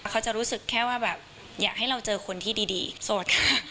เขาจะรู้สึกแค่ว่าแบบอยากให้เราเจอคนที่ดีโสดค่ะ